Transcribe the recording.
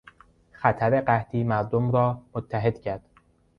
خطر قحطی مردم را متحد کرد.